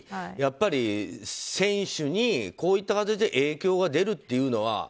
やっぱり、選手にこういった形で影響が出るというのは。